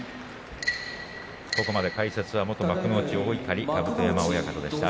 ここまで解説は元幕内の大碇甲山親方でした。